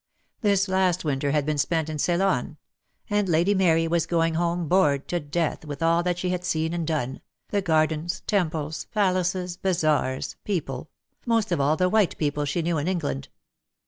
This last winter had been spent in Ceylon; and Lady Mary was going home bored to death with all that she had seen and done, the gardens, temples, palaces, bazaars, people — most of all the white people she knew in England.